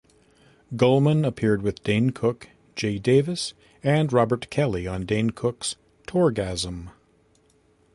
Gulman appeared with Dane Cook, Jay Davis, and Robert Kelly on Dane Cook's "Tourgasm".